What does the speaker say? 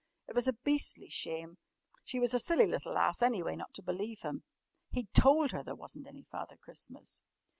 It was a beastly shame. She was a silly little ass, anyway, not to believe him. He'd told her there wasn't any Father Christmas.